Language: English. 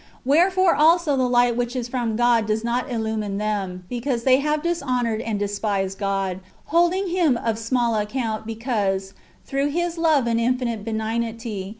Wherefore also the light which is from God does not illumine them, because they have dishonoured and despised God, hold ing Him of small account, because, through His love and infinite benignity.